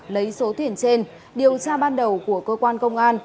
lấy số tiền trên điều tra ban đầu của cơ quan công an